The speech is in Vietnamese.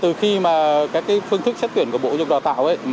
từ khi mà các phương thức xét tuyển của bộ dục đào tạo ấy